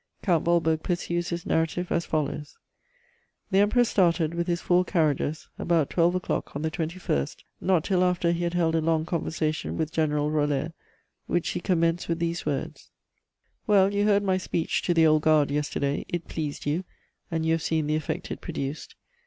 ] Count Waldburg pursues his narrative as follows: "The Emperor started, with his four carriages, about twelve o'clock on the 21st, not till after he had held a long conversation with General Roller, which he commenced with these words: "'Well, you heard my speech to the Old Guard yesterday; it pleased you, and you have seen the effect it produced.